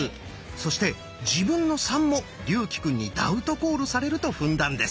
そして自分の「３」も竜暉くんにダウトコールされると踏んだんです。